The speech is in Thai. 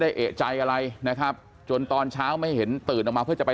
เอกใจอะไรนะครับจนตอนเช้าไม่เห็นตื่นออกมาเพื่อจะไป